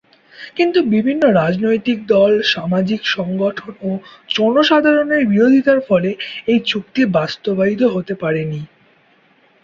কিন্তু বিভিন্ন রাজনৈতিক দল, সামাজিক সংগঠন ও জনসাধারণের বিরোধিতার ফলে এই চুক্তি বাস্তবায়িত হতে পারেনি।